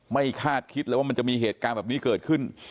คาดคิดเลยว่ามันจะมีเหตุการณ์แบบนี้เกิดขึ้น